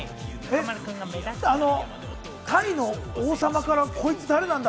タイの王様からこいつ誰なんだ？